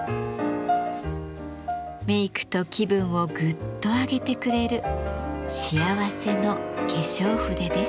メイクと気分をグッと上げてくれる幸せの化粧筆です。